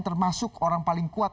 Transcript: termasuk orang paling kuat